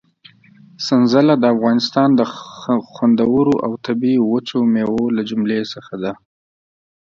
سنځله د افغانستان د خوندورو او طبي وچو مېوو له جملې څخه ده.